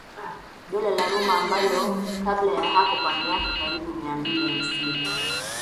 Dola la Roma ambalo kabla ya hapo kwa miaka karibu Mia mbili hamsini